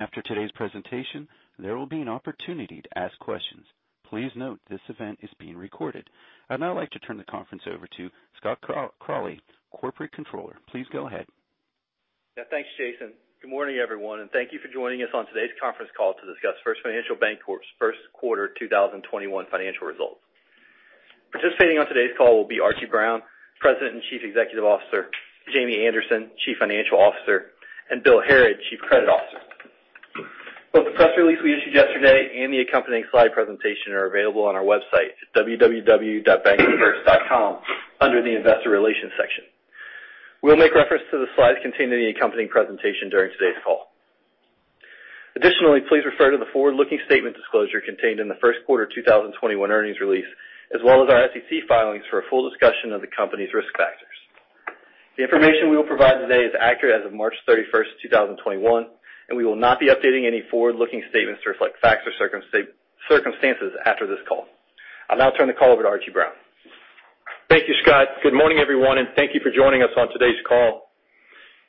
After today's presentation, there will be an opportunity to ask questions. Please note this event is being recorded. I'd now like to turn the conference over to Scott Crawley, Corporate Controller. Please go ahead. Yeah, thanks, Jason. Good morning, everyone. Thank you for joining us on today's conference call to discuss First Financial Bancorp's first quarter 2021 financial results. Participating on today's call will be Archie Brown, President and Chief Executive Officer, Jamie Anderson, Chief Financial Officer, and Bill Harrod, Chief Credit Officer. Both the press release we issued yesterday and the accompanying slide presentation are available on our website at www.bankatfirst.com under the investor relations section. We'll make reference to the slides contained in the accompanying presentation during today's call. Please refer to the forward-looking statement disclosure contained in the first quarter 2021 earnings release, as well as our SEC filings, for a full discussion of the company's risk factors. The information we will provide today is accurate as of March 31st, 2021, and we will not be updating any forward-looking statements to reflect facts or circumstances after this call. I'll now turn the call over to Archie Brown. Thank you, Scott. Good morning, everyone, and thank you for joining us on today's call.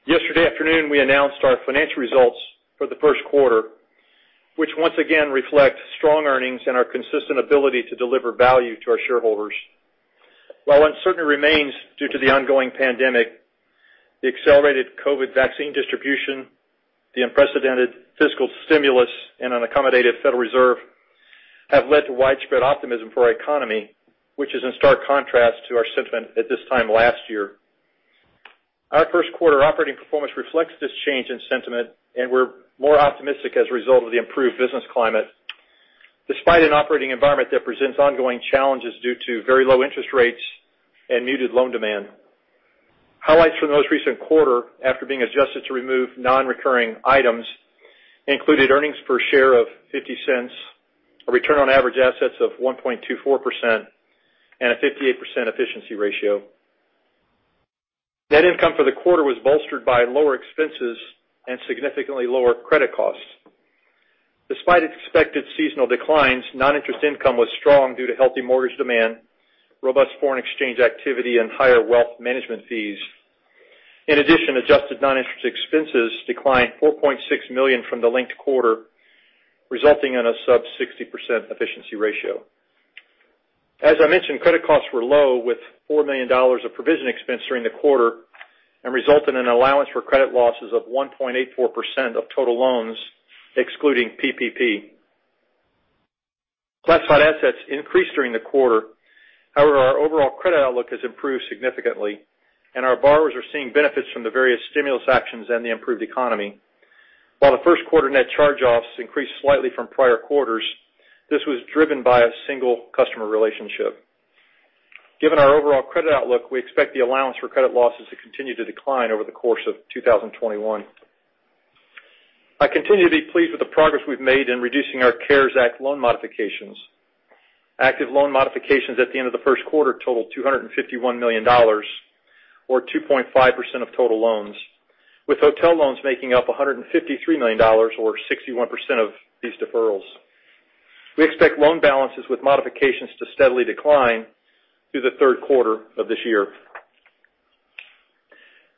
Yesterday afternoon, we announced our financial results for the first quarter, which once again reflects strong earnings and our consistent ability to deliver value to our shareholders. While uncertainty remains due to the ongoing pandemic, the accelerated COVID vaccine distribution, the unprecedented fiscal stimulus, and an accommodative Federal Reserve have led to widespread optimism for our economy, which is in stark contrast to our sentiment at this time last year. Our first quarter operating performance reflects this change in sentiment, and we're more optimistic as a result of the improved business climate, despite an operating environment that presents ongoing challenges due to very low interest rates and muted loan demand. Highlights for the most recent quarter, after being adjusted to remove non-recurring items, included earnings per share of $0.50, a return on average assets of 1.24%, and a 58% efficiency ratio. Net income for the quarter was bolstered by lower expenses and significantly lower credit costs. Despite expected seasonal declines, non-interest income was strong due to healthy mortgage demand, robust foreign exchange activity, and higher wealth management fees. In addition, adjusted non-interest expenses declined $4.6 million from the linked quarter, resulting in a sub 60% efficiency ratio. As I mentioned, credit costs were low, with $4 million of provision expense during the quarter, and resulted in an allowance for credit losses of 1.84% of total loans, excluding PPP. Classified assets increased during the quarter. However, our overall credit outlook has improved significantly, and our borrowers are seeing benefits from the various stimulus actions and the improved economy. While the first quarter net charge-offs increased slightly from prior quarters, this was driven by a single customer relationship. Given our overall credit outlook, we expect the allowance for credit losses to continue to decline over the course of 2021. I continue to be pleased with the progress we've made in reducing our CARES Act loan modifications. Active loan modifications at the end of the first quarter totaled $251 million, or 2.5% of total loans, with hotel loans making up $153 million, or 61% of these deferrals. We expect loan balances with modifications to steadily decline through the third quarter of this year.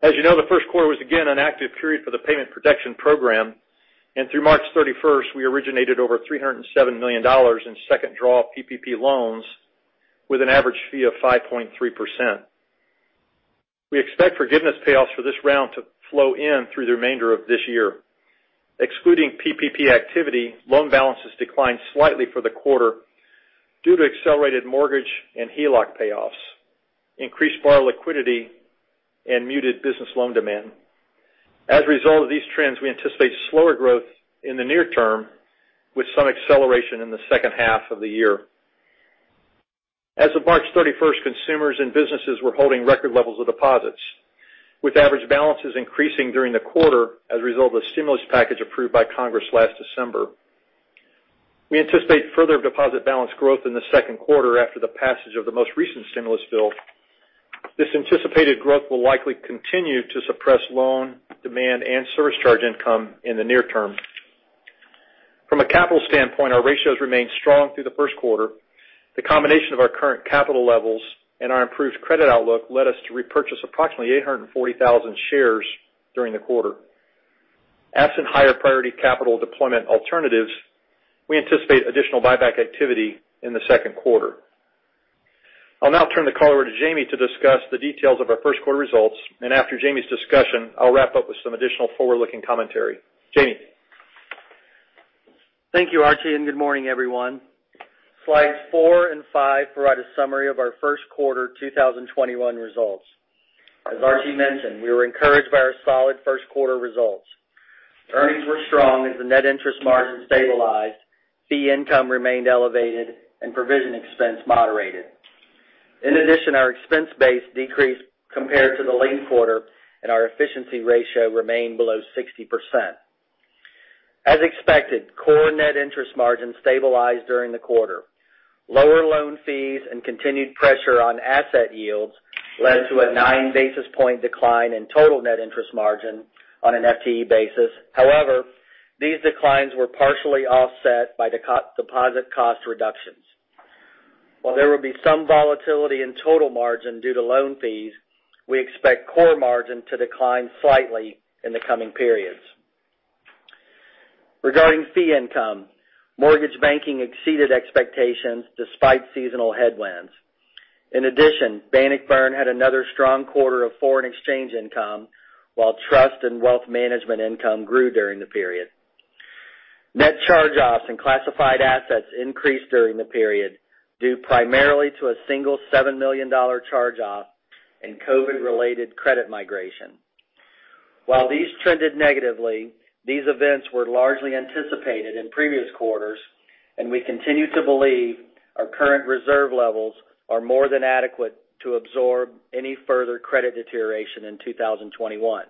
As you know, the first quarter was again an active period for the Paycheck Protection Program. Through March 31st, we originated over $307 million in second draw PPP loans with an average fee of 5.3%. We expect forgiveness payoffs for this round to flow in through the remainder of this year. Excluding PPP activity, loan balances declined slightly for the quarter due to accelerated mortgage and HELOC payoffs, increased borrower liquidity, and muted business loan demand. As a result of these trends, we anticipate slower growth in the near term, with some acceleration in the second half of the year. As of March 31st, consumers and businesses were holding record levels of deposits, with average balances increasing during the quarter as a result of the stimulus package approved by Congress last December. We anticipate further deposit balance growth in the second quarter after the passage of the most recent stimulus bill. This anticipated growth will likely continue to suppress loan demand and service charge income in the near term. From a capital standpoint, our ratios remained strong through the first quarter. The combination of our current capital levels and our improved credit outlook led us to repurchase approximately 840,000 shares during the quarter. Absent higher priority capital deployment alternatives, we anticipate additional buyback activity in the second quarter. I'll now turn the call over to Jamie to discuss the details of our first quarter results, and after Jamie's discussion, I'll wrap up with some additional forward-looking commentary. Jamie? Thank you, Archie. Good morning, everyone. Slides four and five provide a summary of our first quarter 2021 results. As Archie mentioned, we were encouraged by our solid first quarter results. Earnings were strong as the net interest margin stabilized, fee income remained elevated, and provision expense moderated. In addition, our expense base decreased compared to the linked quarter, and our efficiency ratio remained below 60%. As expected, core net interest margin stabilized during the quarter. Lower loan fees and continued pressure on asset yields led to a nine-basis-point decline in total net interest margin on an FTE basis. These declines were partially offset by deposit cost reductions. While there will be some volatility in total margin due to loan fees, we expect core margin to decline slightly in the coming periods. Regarding fee income, mortgage banking exceeded expectations despite seasonal headwinds. In addition, Bannockburn had another strong quarter of foreign exchange income, while trust and wealth management income grew during the period. Net charge-offs and classified assets increased during the period, due primarily to a single $7 million charge-off and COVID-related credit migration. While these trended negatively, these events were largely anticipated in previous quarters, and we continue to believe our current reserve levels are more than adequate to absorb any further credit deterioration in 2021.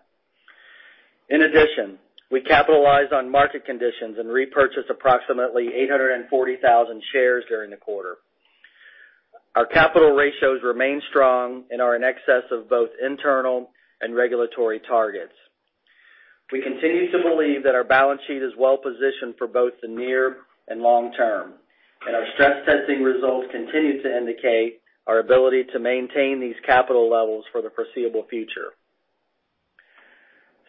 In addition, we capitalize on market conditions and repurchase approximately 840,000 shares during the quarter. Our capital ratios remain strong and are in excess of both internal and regulatory targets. We continue to believe that our balance sheet is well-positioned for both the near and long term. Our stress testing results continue to indicate our ability to maintain these capital levels for the foreseeable future.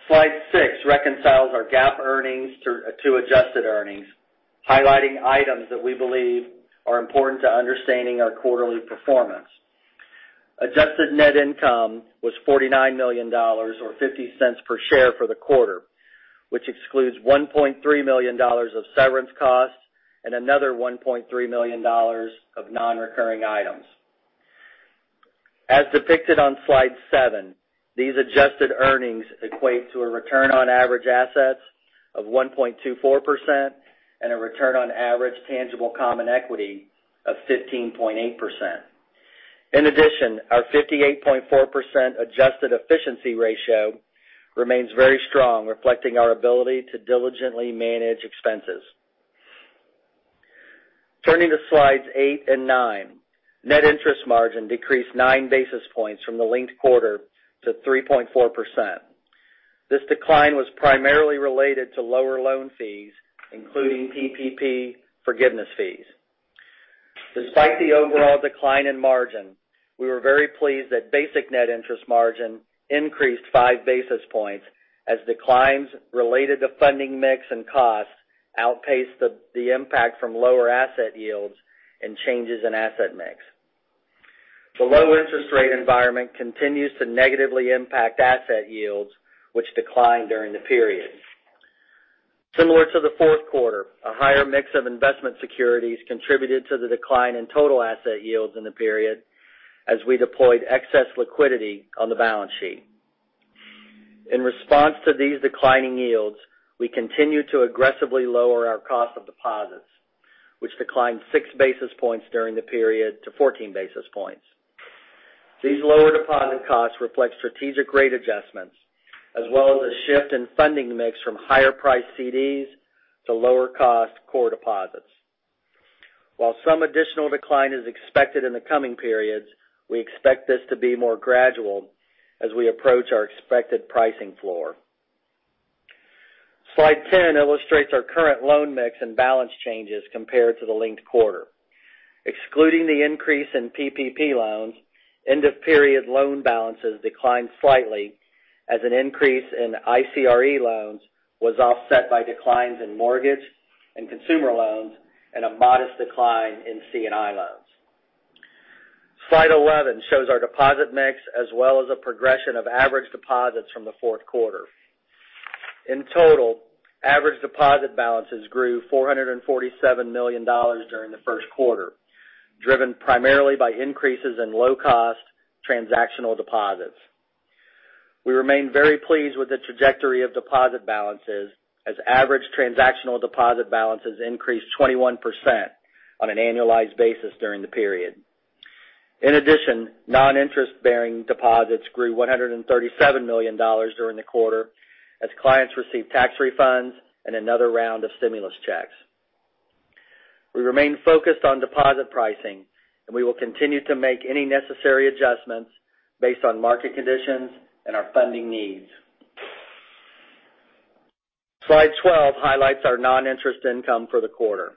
Slide six reconciles our GAAP earnings to adjusted earnings, highlighting items that we believe are important to understanding our quarterly performance. Adjusted net income was $49 million or $0.50 per share for the quarter, which excludes $1.3 million of severance costs and another $1.3 million of non-recurring items. As depicted on slide seven, these adjusted earnings equate to a return on average assets of 1.24% and a return on average tangible common equity of 15.8%. In addition, our 58.4% adjusted efficiency ratio remains very strong, reflecting our ability to diligently manage expenses. Turning to slides eight and nine, net interest margin decreased nine basis points from the linked quarter to 3.4%. This decline was primarily related to lower loan fees, including PPP forgiveness fees. Despite the overall decline in margin, we were very pleased that basic net interest margin increased five basis points as declines related to funding mix and costs outpaced the impact from lower asset yields and changes in asset mix. The low interest rate environment continues to negatively impact asset yields, which declined during the period. Similar to the fourth quarter, a higher mix of investment securities contributed to the decline in total asset yields in the period as we deployed excess liquidity on the balance sheet. In response to these declining yields, we continue to aggressively lower our cost of deposits, which declined six basis points during the period to 14 basis points. These lower deposit costs reflect strategic rate adjustments, as well as a shift in funding mix from higher priced CDs to lower cost core deposits. While some additional decline is expected in the coming periods, we expect this to be more gradual as we approach our expected pricing floor. Slide 10 illustrates our current loan mix and balance changes compared to the linked quarter. Excluding the increase in PPP loans, end-of-period loan balances declined slightly as an increase in CRE loans was offset by declines in mortgage and consumer loans and a modest decline in C&I loans. Slide 11 shows our deposit mix as well as a progression of average deposits from the fourth quarter. In total, average deposit balances grew $447 million during the first quarter, driven primarily by increases in low-cost transactional deposits. We remain very pleased with the trajectory of deposit balances as average transactional deposit balances increased 21% on an annualized basis during the period. In addition, non-interest-bearing deposits grew $137 million during the quarter as clients received tax refunds and another round of stimulus checks. We remain focused on deposit pricing, and we will continue to make any necessary adjustments based on market conditions and our funding needs. Slide 12 highlights our non-interest income for the quarter.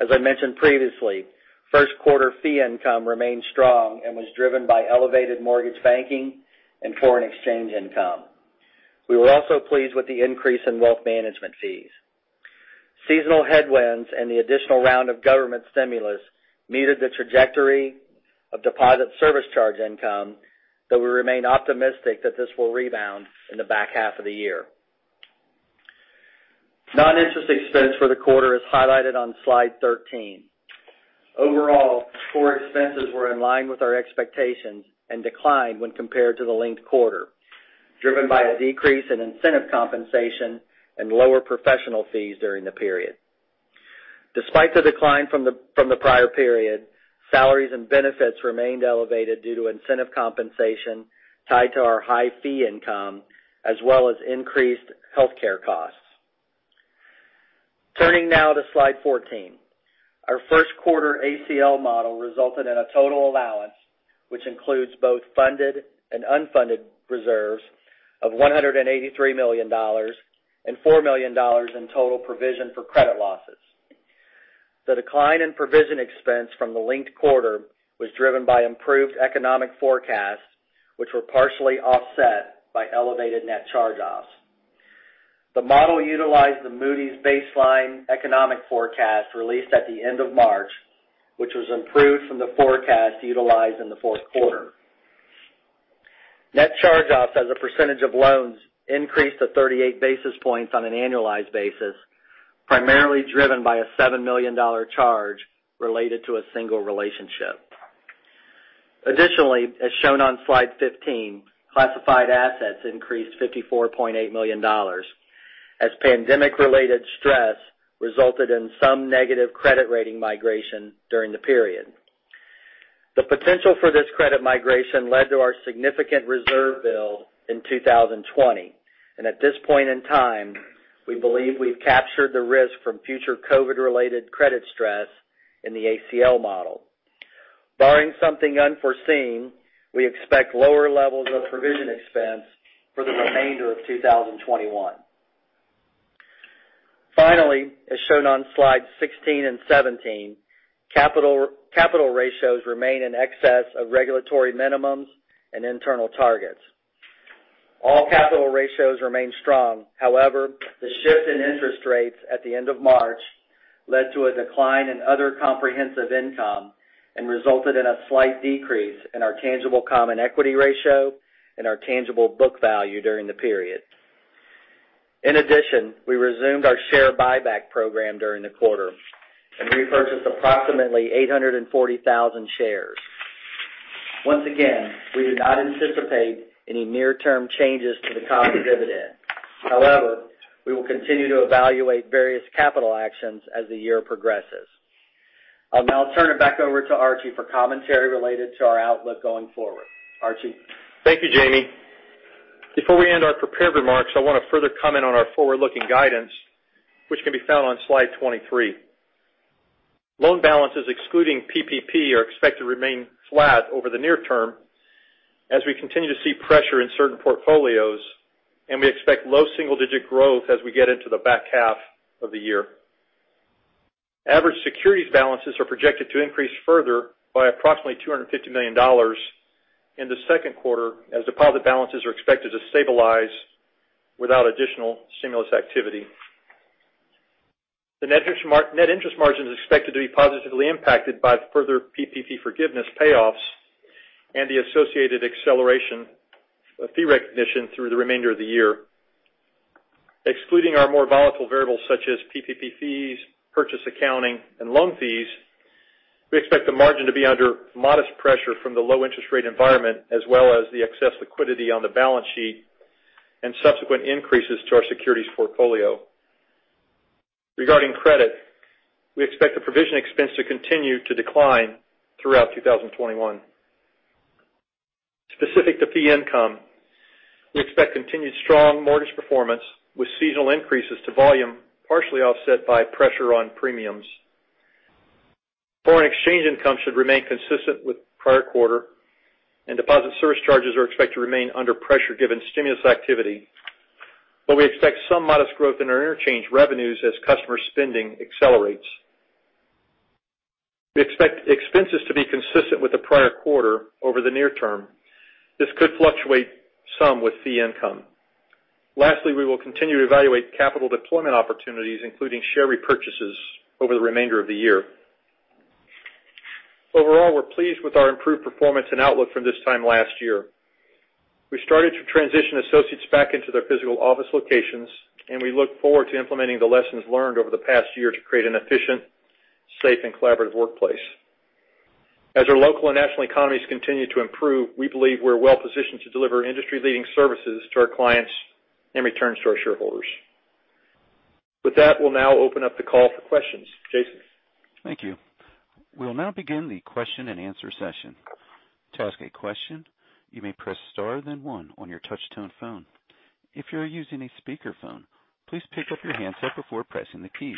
As I mentioned previously, first quarter fee income remained strong and was driven by elevated mortgage banking and foreign exchange income. We were also pleased with the increase in wealth management fees. Seasonal headwinds and the additional round of government stimulus muted the trajectory of deposit service charge income, though we remain optimistic that this will rebound in the back half of the year. Non-interest expense for the quarter is highlighted on slide 13. Overall, core expenses were in line with our expectations and declined when compared to the linked quarter, driven by a decrease in incentive compensation and lower professional fees during the period. Despite the decline from the prior period, salaries and benefits remained elevated due to incentive compensation tied to our high fee income as well as increased healthcare costs. Turning now to slide 14. Our first quarter ACL model resulted in a total allowance, which includes both funded and unfunded reserves of $183 million and $4 million in total provision for credit losses. The decline in provision expense from the linked quarter was driven by improved economic forecasts, which were partially offset by elevated net charge-offs. The model utilized the Moody's baseline economic forecast released at the end of March, which was improved from the forecast utilized in the fourth quarter. Net charge-offs as a % of loans increased to 38 basis points on an annualized basis, primarily driven by a $7 million charge related to a single relationship. Additionally, as shown on slide 15, classified assets increased $54.8 million, as pandemic-related stress resulted in some negative credit rating migration during the period. The potential for this credit migration led to our significant reserve build in 2020, and at this point in time, we believe we've captured the risk from future COVID-related credit stress in the ACL model. Barring something unforeseen, we expect lower levels of provision expense for the remainder of 2021. Finally, as shown on slides 16 and 17, capital ratios remain in excess of regulatory minimums and internal targets. All capital ratios remain strong. However, the shift in interest rates at the end of March led to a decline in other comprehensive income and resulted in a slight decrease in our tangible common equity ratio and our tangible book value during the period. In addition, we resumed our share buyback program during the quarter and repurchased approximately 840,000 shares. Once again, we do not anticipate any near-term changes to the common dividend. However, we will continue to evaluate various capital actions as the year progresses. I'll now turn it back over to Archie for commentary related to our outlook going forward. Archie? Thank you, Jamie. Before we end our prepared remarks, I want to further comment on our forward-looking guidance, which can be found on slide 23. Loan balances excluding PPP are expected to remain flat over the near term as we continue to see pressure in certain portfolios, and we expect low single-digit growth as we get into the back half of the year. Average securities balances are projected to increase further by approximately $250 million in the second quarter, as deposit balances are expected to stabilize without additional stimulus activity. The net interest margin is expected to be positively impacted by further PPP forgiveness payoffs and the associated acceleration of fee recognition through the remainder of the year. Excluding our more volatile variables such as PPP fees, purchase accounting, and loan fees, we expect the margin to be under modest pressure from the low interest rate environment, as well as the excess liquidity on the balance sheet and subsequent increases to our securities portfolio. Regarding credit, we expect the provision expense to continue to decline throughout 2021. Specific to fee income, we expect continued strong mortgage performance with seasonal increases to volume, partially offset by pressure on premiums. Foreign exchange income should remain consistent with the prior quarter, and deposit service charges are expected to remain under pressure given stimulus activity. We expect some modest growth in our interchange revenues as customer spending accelerates. We expect expenses to be consistent with the prior quarter over the near term. This could fluctuate some with fee income. Lastly, we will continue to evaluate capital deployment opportunities, including share repurchases, over the remainder of the year. Overall, we're pleased with our improved performance and outlook from this time last year. We've started to transition associates back into their physical office locations, and we look forward to implementing the lessons learned over the past year to create an efficient, safe, and collaborative workplace. As our local and national economies continue to improve, we believe we're well positioned to deliver industry-leading services to our clients and returns to our shareholders. With that, we'll now open up the call for questions. Jason? Thank you. We'll now begin the question-and-answer session. To ask a question, you may press star then one on your touch-tone phone. If you're using a speakerphone, please pick up your handset before pressing the key.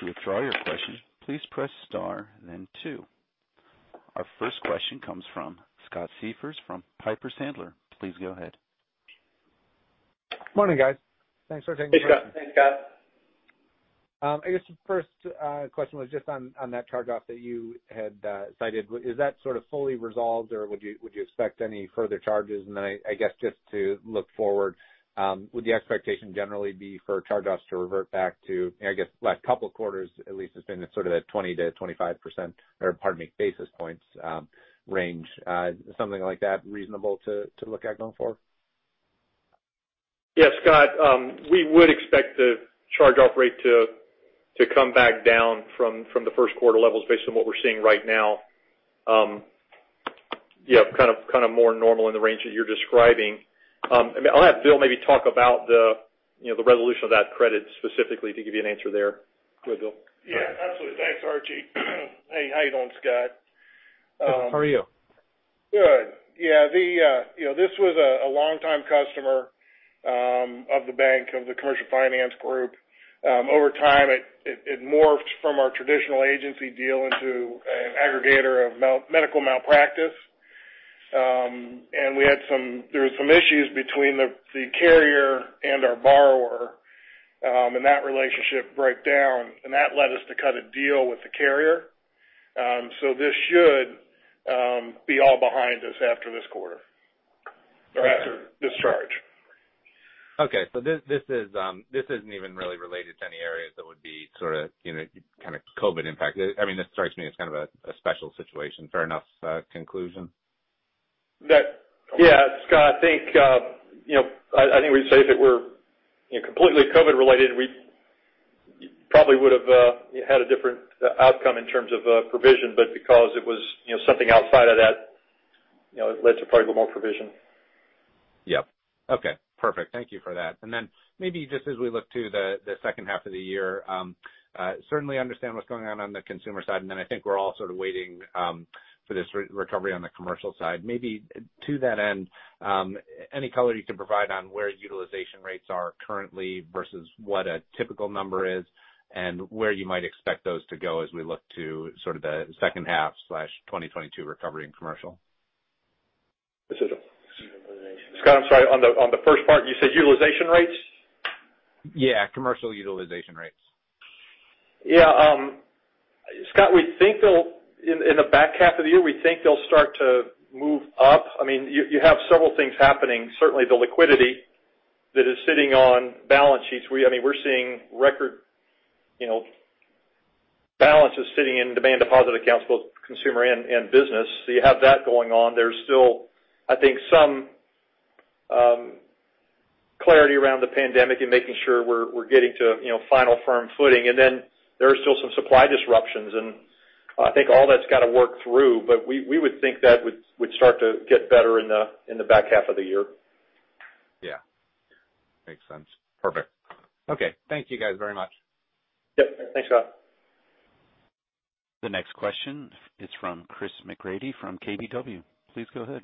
To withdraw your question, please press star then two. Our first question comes from Scott Siefers from Piper Sandler. Please go ahead. Morning, guys. Thanks for taking my question. Hey, Scott. Hey, Scott. I guess the first question was just on that charge-off that you had cited. Is that sort of fully resolved or would you expect any further charges? Then I guess just to look forward, would the expectation generally be for charge-offs to revert back to, I guess last couple of quarters at least, it's been sort of that 20%-25%, or pardon me, basis points range. Something like that reasonable to look at going forward? Yeah, Scott, we would expect the charge-off rate to come back down from the first quarter levels based on what we're seeing right now. Kind of more normal in the range that you're describing. I'll have Bill maybe talk about the resolution of that credit specifically to give you an answer there. Go ahead, Bill. Yeah, absolutely. Thanks, Archie. Hey, how you doing, Scott? Good. How are you? Good. Yeah, this was a long-time customer Of the bank, of the commercial finance group. Over time, it morphed from our traditional agency deal into an aggregator of medical malpractice. There were some issues between the carrier and our borrower, and that relationship broke down, and that led us to cut a deal with the carrier. This should be all behind us after this quarter or after discharge. Okay. This isn't even really related to any areas that would be COVID impact. This strikes me as kind of a special situation. Fair enough conclusion? Yes, Scott, I think we'd say if it were completely COVID related, we probably would've had a different outcome in terms of provision, but because it was something outside of that, it led to probably a little more provision. Yep. Okay, perfect. Thank you for that. Maybe just as we look to the second half of the year, certainly understand what's going on on the consumer side, and then I think we're all sort of waiting for this recovery on the commercial side. Maybe to that end, any color you can provide on where utilization rates are currently versus what a typical number is and where you might expect those to go as we look to the second half/2022 recovery in commercial. This is- Utilization. Scott, I'm sorry. On the first part, you said utilization rates? Yeah, commercial utilization rates. Yeah. Scott, in the back half of the year, we think they'll start to move up. You have several things happening. Certainly, the liquidity that is sitting on balance sheets. We're seeing record balances sitting in demand deposit accounts, both consumer and business. You have that going on. There's still, I think, some clarity around the pandemic and making sure we're getting to final firm footing. There are still some supply disruptions, and I think all that's got to work through, but we would think that would start to get better in the back half of the year. Yeah. Makes sense. Perfect. Okay. Thank you guys very much. Yep. Thanks, Scott. The next question is from Christopher McGratty from KBW. Please go ahead.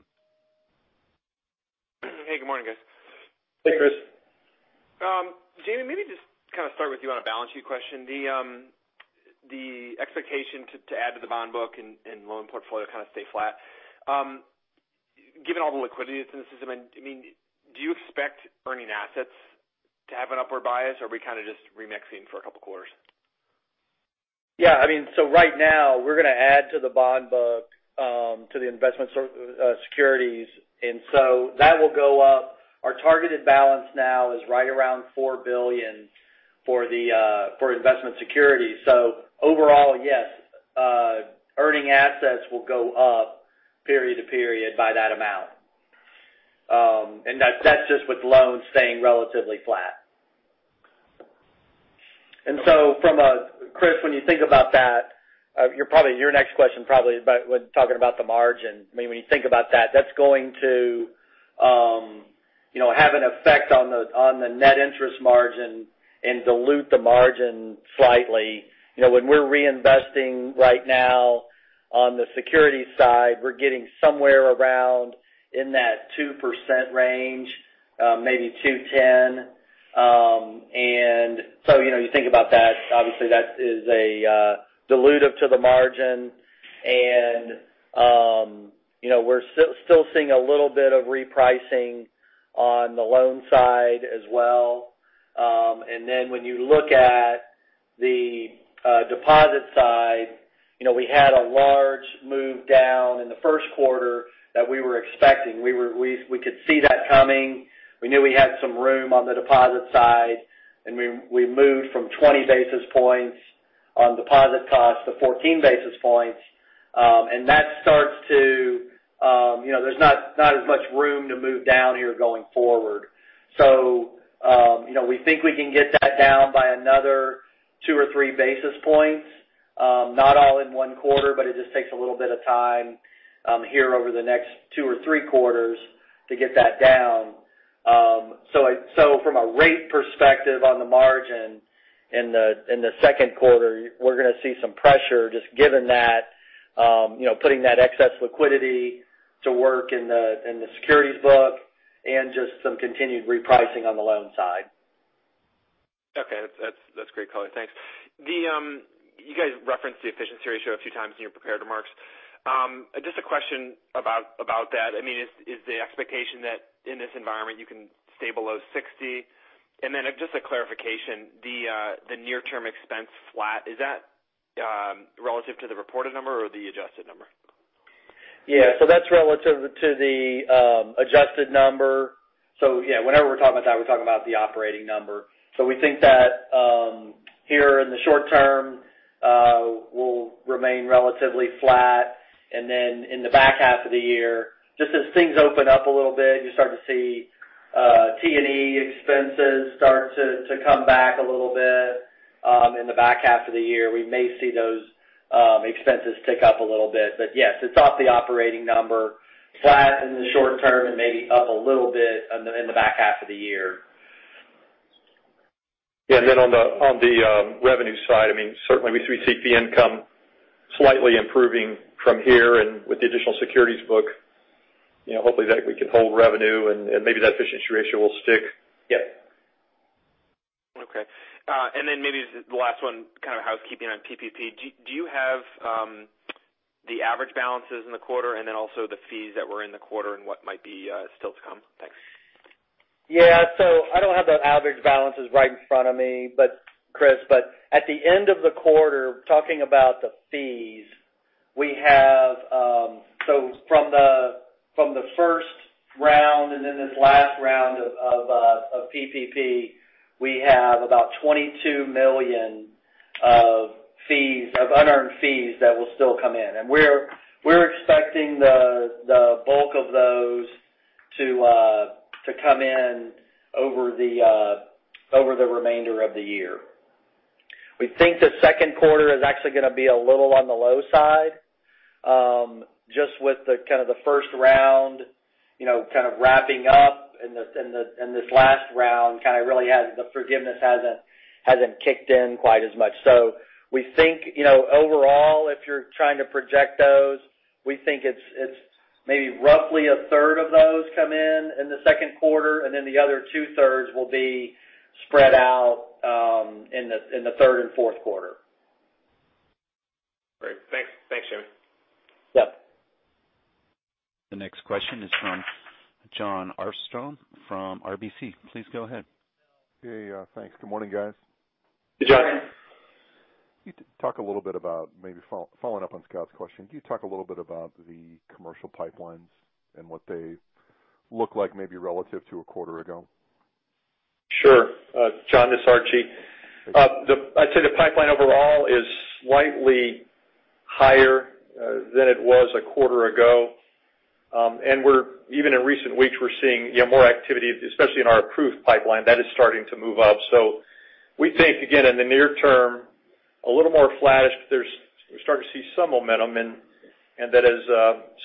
Hey, good morning, guys. Hey, Chris. Jamie, maybe just to kind of start with you on a balance sheet question. The expectation to add to the bond book and loan portfolio kind of stay flat. Given all the liquidity that's in the system, do you expect earning assets to have an upward bias, or are we kind of just remixing for a couple of quarters? Right now, we're going to add to the bond book, to the investment securities, and so that will go up. Our targeted balance now is right around $4 billion for investment securities. Overall, yes, earning assets will go up period to period by that amount. That's just with loans staying relatively flat. Chris, when you think about that, your next question probably would be talking about the margin. When you think about that's going to have an effect on the net interest margin and dilute the margin slightly. When we're reinvesting right now on the security side, we're getting somewhere around in that 2% range, maybe 2.10%. You think about that, obviously, that is dilutive to the margin, and we're still seeing a little bit of repricing on the loan side as well. When you look at the deposit side, we had a large move down in the first quarter that we were expecting. We could see that coming. We knew we had some room on the deposit side, and we moved from 20 basis points on deposit costs to 14 basis points. There's not as much room to move down here going forward. We think we can get that down by another two or three basis points. Not all in one quarter, but it just takes a little bit of time here over the next two or three quarters to get that down. From a rate perspective on the margin in the second quarter, we're going to see some pressure just given that, putting that excess liquidity to work in the securities book and just some continued repricing on the loan side. Okay. That's great color. Thanks. You guys referenced the efficiency ratio a few times in your prepared remarks. Just a question about that. Is the expectation that in this environment, you can stay below 60? Just a clarification, the near-term expense flat, is that relative to the reported number or the adjusted number? That's relative to the adjusted number. Whenever we're talking about that, we're talking about the operating number. We think that here in the short term, we'll remain relatively flat. In the back half of the year, just as things open up a little bit, you start to see T&E expenses start to come back a little bit in the back half of the year. We may see those expenses tick up a little bit. Yes, it's off the operating number, flat in the short term and maybe up a little bit in the back half of the year. On the revenue side, certainly we see fee income slightly improving from here and with the additional securities book. Hopefully, that we can hold revenue and maybe that efficiency ratio will stick. Yes. Okay. Maybe the last one, kind of housekeeping on PPP. Do you have the average balances in the quarter, and then also the fees that were in the quarter and what might be still to come? Thanks. I don't have the average balances right in front of me, Chris, but at the end of the quarter, talking about the fees, so from the first round and then this last round of PPP, we have about $22 million of unearned fees that will still come in. We're expecting the bulk of those to come in over the remainder of the year. We think the second quarter is actually going to be a little on the low side, just with the first round kind of wrapping up, and this last round kind of really has the forgiveness hasn't kicked in quite as much. We think, overall, if you're trying to project those, we think it's maybe roughly a third of those come in in the second quarter, and then the other 2/3 will be spread out in the third and fourth quarter. Great. Thanks, Jamie. Yep. The next question is from Jon Arfstrom from RBC. Please go ahead. Hey, thanks. Good morning, guys. Hey, Jon. Can you talk a little bit about maybe following up on Scott's question, can you talk a little bit about the commercial pipelines and what they look like maybe relative to a quarter ago? Sure. Jon, this is Archie. Thank you. I'd say the pipeline overall is slightly higher than it was a quarter ago. Even in recent weeks, we're seeing more activity, especially in our approved pipeline that is starting to move up. We think, again, in the near term, a little more flattish, but we're starting to see some momentum, and that as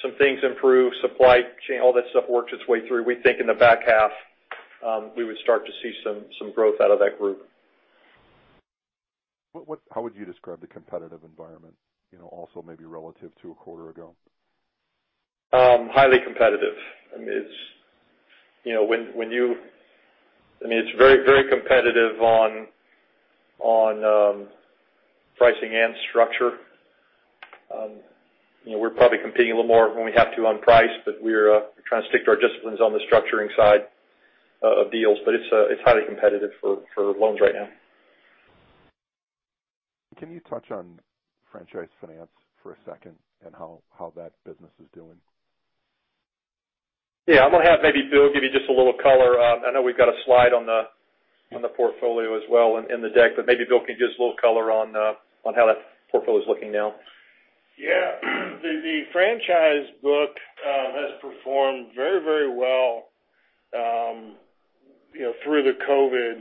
some things improve, supply chain, all that stuff works its way through. We think in the back half, we would start to see some growth out of that group. How would you describe the competitive environment also maybe relative to a quarter ago? Highly competitive. It's very competitive on pricing and structure. We're probably competing a little more when we have to on price, but we're trying to stick to our disciplines on the structuring side of deals, but it's highly competitive for loans right now. Can you touch on franchise finance for a second and how that business is doing? Yeah. I'm going to have maybe Bill give you just a little color. I know we've got a slide on the portfolio as well in the deck, but maybe Bill can give us a little color on how that portfolio's looking now. Yeah. The franchise book has performed very well through the COVID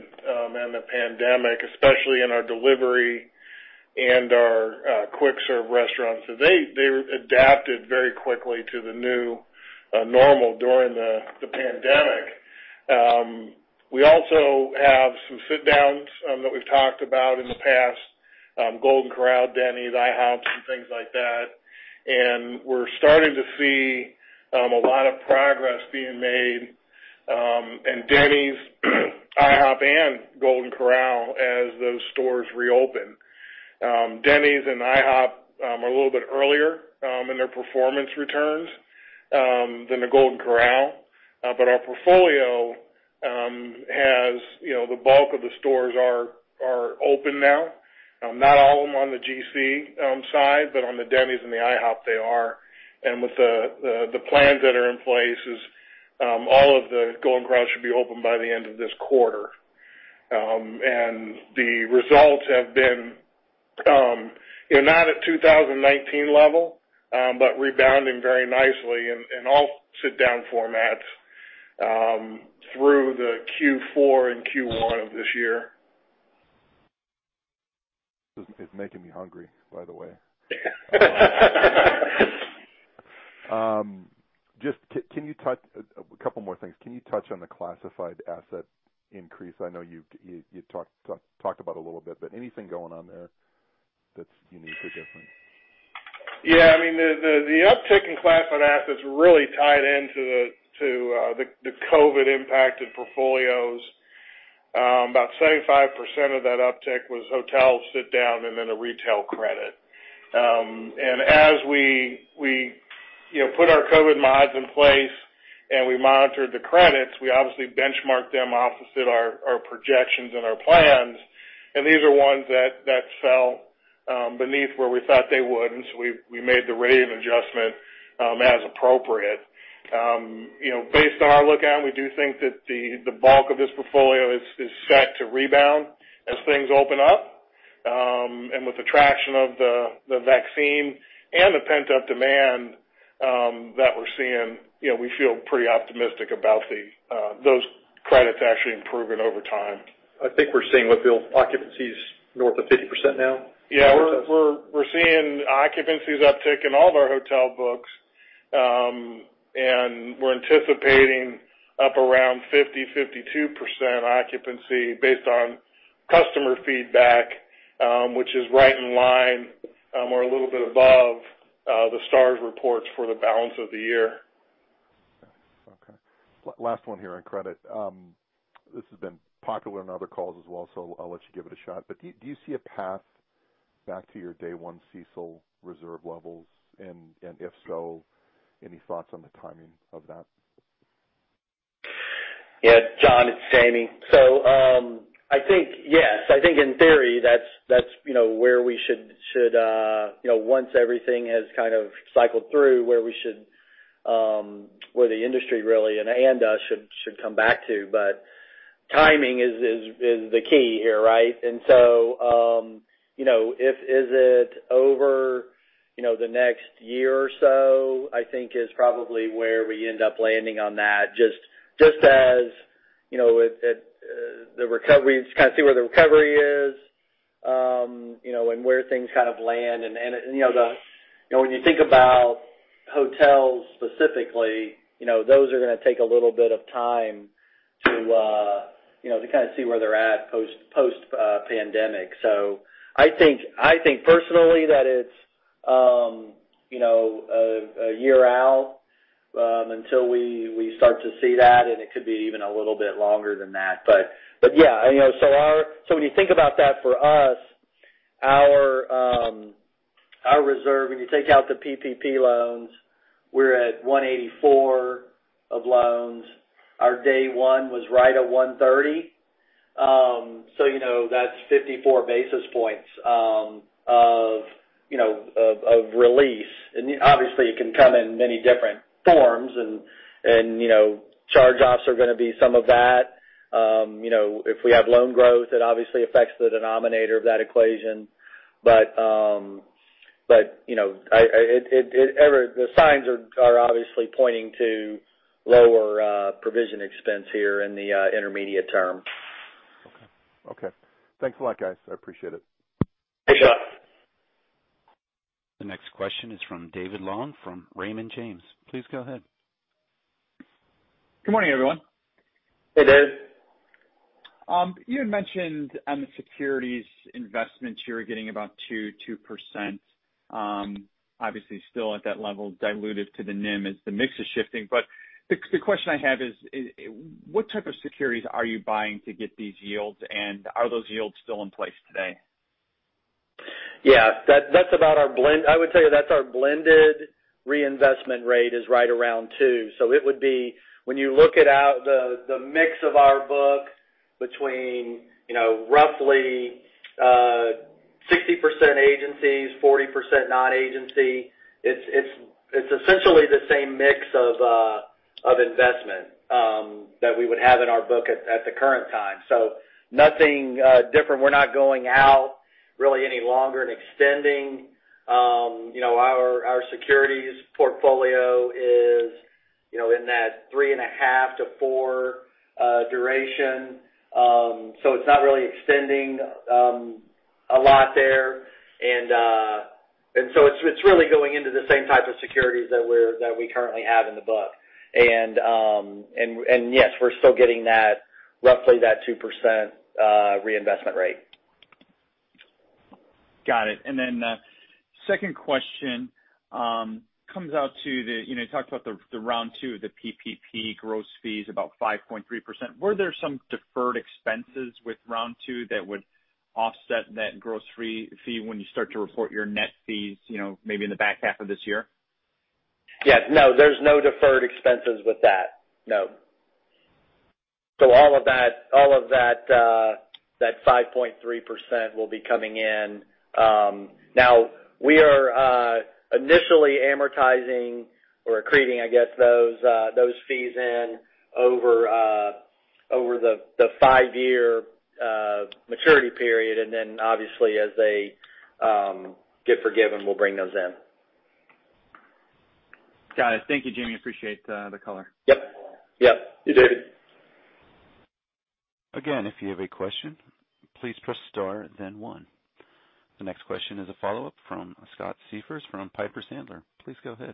and the pandemic, especially in our delivery and our quick serve restaurants. They adapted very quickly to the new normal during the pandemic. We also have some sit-downs that we've talked about in the past, Golden Corral, Denny's, IHOPs, and things like that. We're starting to see a lot of progress being made in Denny's, IHOP, and Golden Corral as those stores reopen. Denny's and IHOP are a little bit earlier in their performance returns than the Golden Corral. Our portfolio has the bulk of the stores are open now. Not all of them on the GC side, but on the Denny's and the IHOP they are. With the plans that are in place is all of the Golden Corrals should be open by the end of this quarter. The results have been, not at 2019 level, but rebounding very nicely in all sit-down formats through the Q4 and Q1 of this year. It's making me hungry, by the way. Just a couple more things. Can you touch on the classified asset increase? I know you talked about a little bit, but anything going on there that's unique or different? Yeah. The uptick in classified assets really tied into the COVID impacted portfolios. About 75% of that uptick was hotel sit down and then a retail credit. As we put our COVID mods in place and we monitored the credits, we obviously benchmarked them opposite our projections and our plans. These are ones that fell beneath where we thought they would, so we made the reserve adjustment as appropriate. Based on our look-out, we do think that the bulk of this portfolio is set to rebound as things open up. With the traction of the vaccine and the pent-up demand that we're seeing, we feel pretty optimistic about those credits actually improving over time. I think we're seeing with Bill occupancies north of 50% now. Yeah. We're seeing occupancies uptick in all of our hotel books. We're anticipating up around 50%, 52% occupancy based on customer feedback, which is right in line or a little bit above the STR reports for the balance of the year. Okay. Last one here on credit. This has been popular on other calls as well. I'll let you give it a shot. Do you see a path back to your day one CECL reserve levels? If so, any thoughts on the timing of that? Yeah, Jon, it's Jamie. I think, yes. I think in theory, that's where we should, once everything has kind of cycled through, where the industry really, and us, should come back to. Timing is the key here, right? If is it over the next year or so, I think is probably where we end up landing on that. Just as the recovery, kind of see where the recovery is, and where things kind of land. When you think about hotels specifically, those are going to take a little bit of time to kind of see where they're at post pandemic. I think personally that it's a year out, until we start to see that, and it could be even a little bit longer than that. Yeah. When you think about that for us, our reserve, when you take out the PPP loans, we're at 184 of loans. Our day one was right at 130. That's 54 basis points of release. Obviously it can come in many different forms and charge-offs are going to be some of that. If we have loan growth, it obviously affects the denominator of that equation. The signs are obviously pointing to lower provision expense here in the intermediate term. Okay. Thanks a lot, guys. I appreciate it. Thanks, Jon. The next question is from David Long from Raymond James. Please go ahead. Good morning, everyone. Hey, David. You had mentioned on the securities investments you were getting about 2%. Obviously still at that level, diluted to the NIM as the mix is shifting. The question I have is, what type of securities are you buying to get these yields? Are those yields still in place today? Yeah, I would tell you that's our blended reinvestment rate is right around 2%. It would be when you look it out, the mix of our book between roughly 60% agencies, 40% non-agency. It's essentially the same mix of investment that we would have in our book at the current time. Nothing different. We're not going out really any longer and extending. Our securities portfolio is in that 3.5-4 duration. It's not really extending a lot there. It's really going into the same type of securities that we currently have in the book. Yes, we're still getting roughly that 2% reinvestment rate. Got it. Second question you talked about the Round Two of the PPP gross fees, about 5.3%. Were there some deferred expenses with Round Two that would offset that gross fee when you start to report your net fees maybe in the back half of this year? Yes. No, there's no deferred expenses with that, no. All of that 5.3% will be coming in. We are initially amortizing or accreting, I guess, those fees in over the five-year maturity period. Obviously as they get forgiven, we'll bring those in. Got it. Thank you, Jamie. Appreciate the color. Yep. You too. Again, if you have a question, please press star and then one. The next question is a follow-up from Scott Siefers from Piper Sandler. Please go ahead.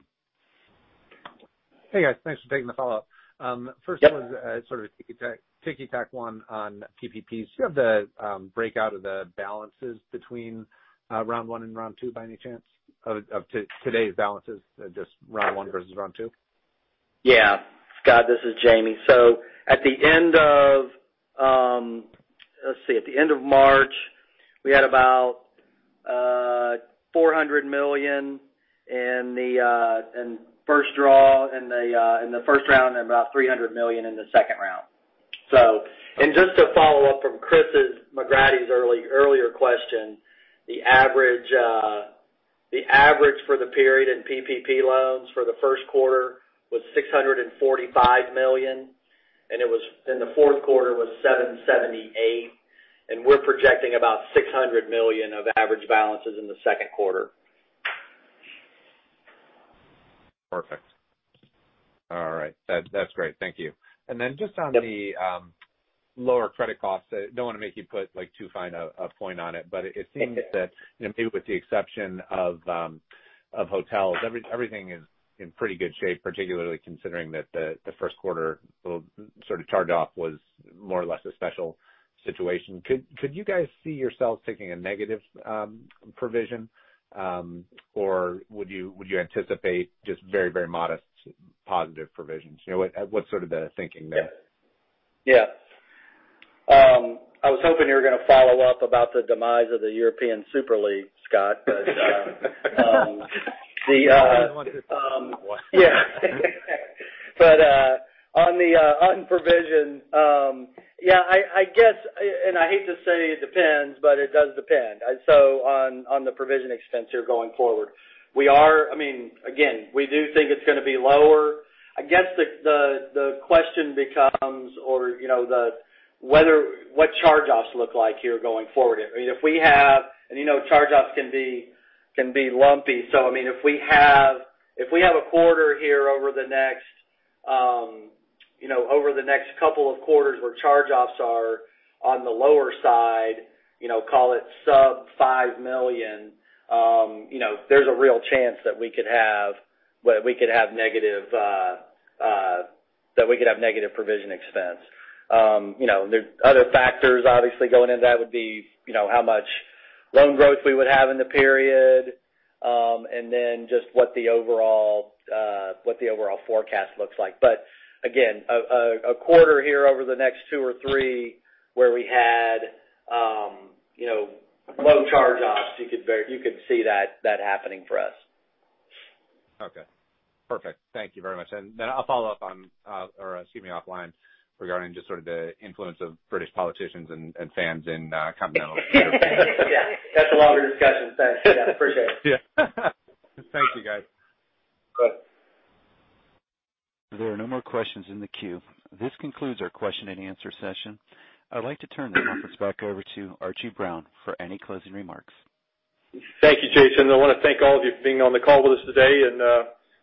Hey, guys. Thanks for taking the follow-up. Yep. First one is sort of a ticky-tack one on PPPs. Do you have the breakout of the balances between Round One and Round Two, by any chance, of today's balances, just Round One versus Round Two? Scott, this is Jamie. At the end of March, we had about $400 million in first draw in the first round and about $300 million in the second round. Just to follow up from Chris McGratty's earlier question, the average for the period in PPP loans for the first quarter was $645 million, and the fourth quarter was $778 million. We're projecting about $600 million of average balances in the second quarter. Perfect. All right. That's great. Thank you. Just on the lower credit costs, I don't want to make you put too fine a point on it, but it seems that maybe with the exception of hotels, everything is in pretty good shape, particularly considering that the first quarter charge-off was more or less a special situation. Could you guys see yourselves taking a negative provision? Would you anticipate just very modest positive provisions? What's sort of the thinking there? I was hoping you were going to follow up about the demise of the European Super League, Scott. On the provision, I guess, and I hate to say it depends, but it does depend. On the provision expense here going forward. Again, we do think it's going to be lower. I guess the question becomes what charge-offs look like here going forward. Charge-offs can be lumpy. If we have a quarter here over the next couple of quarters where charge-offs are on the lower side, call it sub $5 million, there's a real chance that we could have negative provision expense. There's other factors, obviously, going into that would be how much loan growth we would have in the period, and then just what the overall forecast looks like. Again, a quarter here over the next two or three where we had low charge-offs, you could see that happening for us. Okay. Perfect. Thank you very much. I'll follow up offline regarding just sort of the influence of British politicians and fans in continental Europe. Yeah. That's a longer discussion. Thanks. Yeah, appreciate it. Yeah. Thank you, guys. Good. There are no more questions in the queue. This concludes our question-and-answer session. I'd like to turn the conference back over to Archie Brown for any closing remarks. Thank you, Jason. I want to thank all of you for being on the call with us today and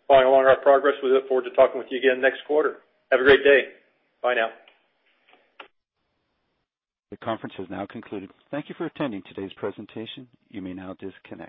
following along our progress. We look forward to talking with you again next quarter. Have a great day. Bye now. The conference has now concluded. Thank you for attending today's presentation. You may now disconnect.